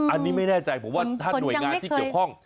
อันนี้ไม่แน่ใจผมว่าถ้าหน่วยงานที่เกี่ยวข้อง